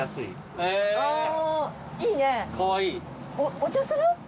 お茶する？